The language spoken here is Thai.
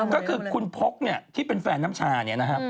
ก็คือคุณพล็กเนี่ยที่เป็นแฟนน้ำชานี่น่ะครับ